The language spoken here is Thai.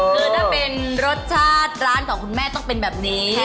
คือถ้าเป็นรสชาติร้านของคุณแม่ต้องเป็นแบบนี้